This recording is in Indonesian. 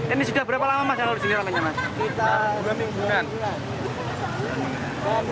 ini sudah berapa lama mas yang lalu di sini lamanya mas